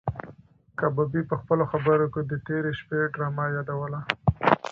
کبابي په خپلو خبرو کې د تېرې شپې ډرامه یادوله.